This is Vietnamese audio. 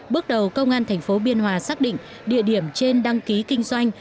bước đầu công an thành phố biên hòa xác định địa điểm trên đăng ký kinh doanh